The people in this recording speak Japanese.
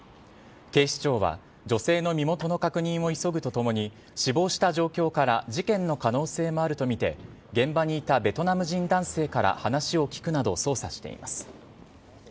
警視庁は、女性の身元の確認を急ぐとともに、死亡した状況から事件の可能性もあると見て、現場にいたベトナム人男性から話を聴くなど捜査しています。